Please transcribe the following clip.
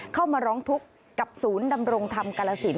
เข้ามาร้องทุกข์กับศูนย์ดำรงธรรมกาลสิน